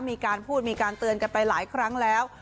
มีการพูดมีการเตือนกันไปหลายครั้งแล้ว